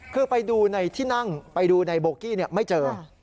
คือไปดูในที่นั่งไปดูในโบกี้ไม่เจอ